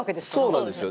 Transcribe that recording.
そうなんですよ。